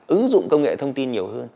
ứng dụng công nghệ thông tin nhiều hơn